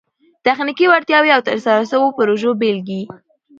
تخنیکي وړتیاوي او د ترسره سوو پروژو بيلګي